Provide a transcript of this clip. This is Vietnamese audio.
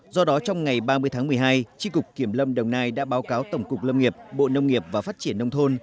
do đó trong ngày ba mươi tháng một mươi hai tri cục kiểm lâm đồng nai đã báo cáo tổng cục lâm nghiệp bộ nông nghiệp và phát triển nông thôn